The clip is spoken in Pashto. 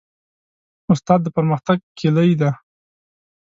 استاد د پرمختګ کلۍ ده.